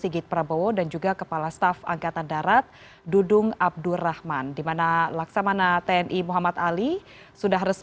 silakanjamkan dan s ursan as pendukungu di lonesolid org